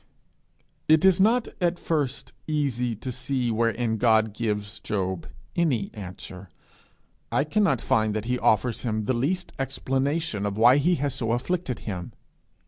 It is not at first easy to see wherein God gives Job any answer; I cannot find that he offers him the least explanation of why he has so afflicted him.